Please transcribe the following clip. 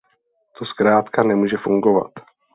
To zkrátka nemůže fungovat.